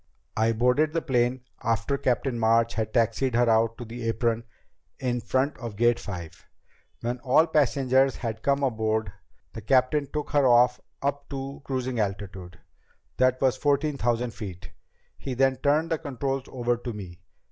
"I boarded the plane after Captain March had taxied her out to the apron in front of Gate Five. When all passengers had come aboard, the captain took her off and up to cruising altitude. That was fourteen thousand feet. He then turned the controls over to me.